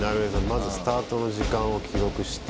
まずスタートの時間を記録して映して。